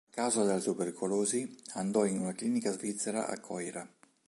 A causa della tubercolosi, andò in una clinica svizzera a Coira.